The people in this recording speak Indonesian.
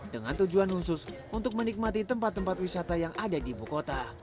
dengan tujuan khusus untuk menikmati tempat tempat wisata yang ada di ibu kota